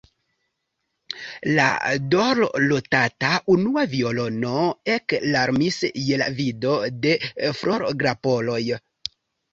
La dorlotata unua violono eklarmis je la vido de florgrapoloj.